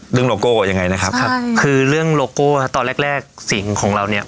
เรื่องโลโก้ยังไงนะครับใช่คือเรื่องโลโก้ฮะตอนแรกแรกสิงของเราเนี้ย